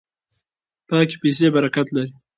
پاکې پیسې برکت لري.